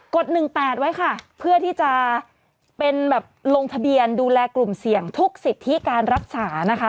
ด๑๘ไว้ค่ะเพื่อที่จะเป็นแบบลงทะเบียนดูแลกลุ่มเสี่ยงทุกสิทธิการรักษานะคะ